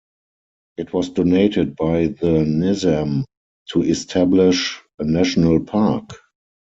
It was donated by the nizam to establish a national park.